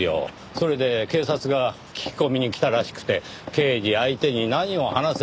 それで警察が聞き込みに来たらしくて刑事相手に何を話せばいいのかと。